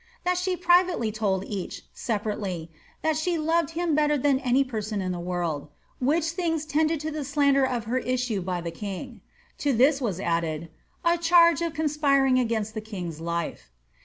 That she privately told each, separately, ^ that she loved him belter than any person in the woild," which things tended to the slander of her issue by the king. To this was added ^ a chai^ of conspiring ^igainst the king's life.''